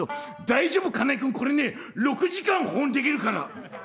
「大丈夫金井君これね６時間保温できるから」。